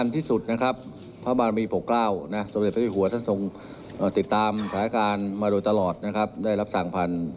ที่รัฐกลุ่มนะครับไม่ให้เกิดการสูญเสียใดทั้งสิ้น